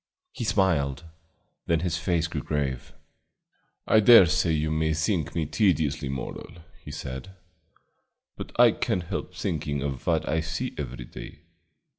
He smiled, then his face grew grave. "I dare say you may think me tediously moral," he said, "but I can't help thinking of what I see every day.